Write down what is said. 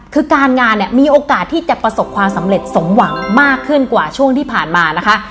คือการงานเนี่ยมีโอกาสที่จะประสบความสำเร็จสมหวังมากขึ้นกว่าช่วงที่ผ่านมานะคะ